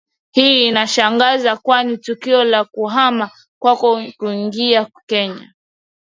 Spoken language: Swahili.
Hii inashangaza kwani tukio la kuhama kwao kuingia Kenya